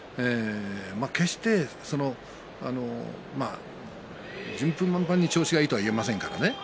決して順風満帆に調子がいいとは言えませんからね。